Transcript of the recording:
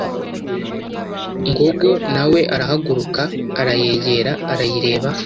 Ngogo nawe arahaguruka arayegera arayireba ,